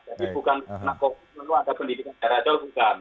jadi bukan karena covid sembilan belas ada pendidikan jarak jauh bukan